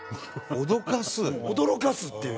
驚かすっていう。